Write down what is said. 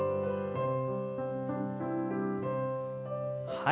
はい。